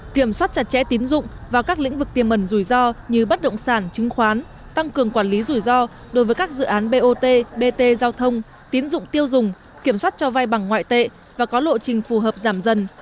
kiểm soát chặt chẽ tín dụng vào các lĩnh vực tiềm mẩn rủi ro như bất động sản chứng khoán tăng cường quản lý rủi ro đối với các dự án bot bt giao thông tín dụng tiêu dùng kiểm soát cho vai bằng ngoại tệ và có lộ trình phù hợp giảm dần